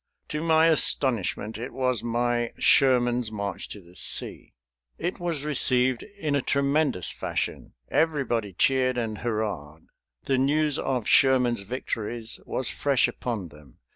To my astonishment, it was my "Sherman's March to the Sea." It was received in a tremendous fashion. Everybody cheered and hurrahed. The news of Sherman's victories was fresh upon them.